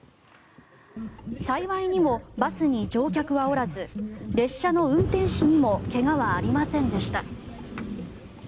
幸いにもバスに乗客はおらず列車の運転士にも怪我はありませんでした。